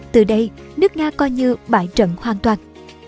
từ đây nước nga coi như bại trận hoàn toàn